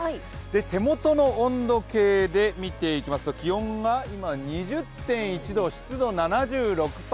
手元の温度計で見ていきますと気温が２０．１度、湿度７６％。